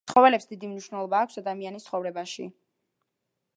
ცხოველებს დიდი მნიშვნელობა აქვს ადამიანის ცხოვრებაში.